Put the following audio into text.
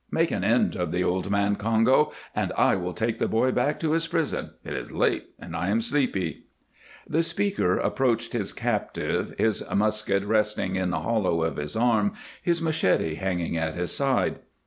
Make an end of the old man, Congo, and I will take the boy back to his prison. It is late and I am sleepy." The speaker approached his captive, his musket resting in the hollow of his arm, his machete hanging at his side.